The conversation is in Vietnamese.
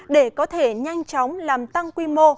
để có thể nhanh chóng làm tăng quy mô